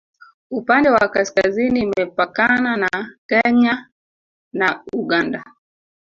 upande wa kaskazini imepakana na kenya na uganda